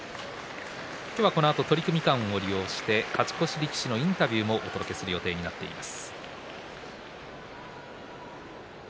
このあと取組間を利用して勝ち越し力士のインタビューをお届けすることになっています。